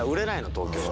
東京は。